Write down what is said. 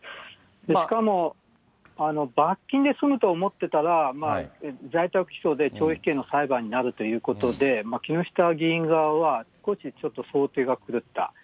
しかも罰金で済むと思ってたら、在宅起訴で懲役刑の裁判になるということで、木下議員側は少しちょっと想定が狂った。